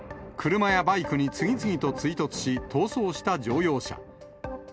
車やバイクに次々と追突し、逃走した乗用車。